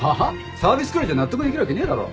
サービスくらいじゃ納得できるわけねえだろ。